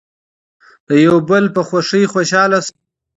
د یو بل په خوښۍ خوشحاله شئ.